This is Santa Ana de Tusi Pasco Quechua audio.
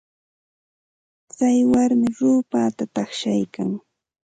Tsay warmi ruupata taqshaykan.